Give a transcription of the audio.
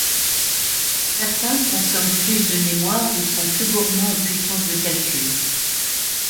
Certains consomment plus de mémoire ou sont plus gourmands en puissance de calcul.